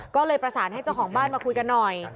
ก็เลยประสานให้เจ้าของบ้านมาคุยกันหน่อย